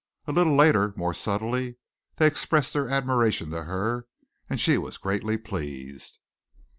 A little later, more subtly, they expressed their admiration to her, and she was greatly pleased.